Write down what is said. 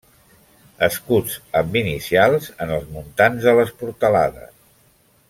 Escuts amb inicials en els muntants de les portalades.